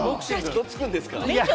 どつくんですか。